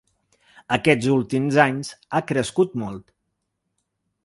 Aquests últims anys ha crescut molt.